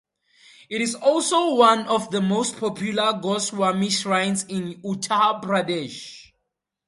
It is also one of the most popular Goswami shrines in Uttar Pradesh.